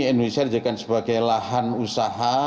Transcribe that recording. indonesia dijadikan sebagai lahan usaha